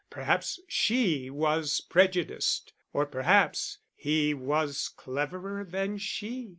Perhaps she was prejudiced; or perhaps he was cleverer than she.